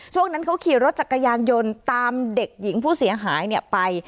ช่วงนั้นเขาขี่รถจักรยานยนต์ตามเด็กหญิงผู้เสียหายไป